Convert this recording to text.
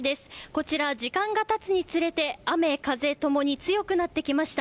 こちら、時間が経つにつれて雨風共に強くなってきました。